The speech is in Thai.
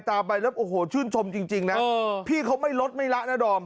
ตามไปแล้วโอ้โหชื่นชมจริงนะพี่เขาไม่ลดไม่ละนะดอม